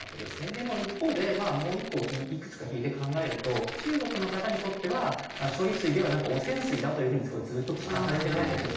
でも一方でもう１個いくつか引いて考えると中国の方にとっては処理水ではなく「汚染水」だという風にずっと聞かされてるわけですよね。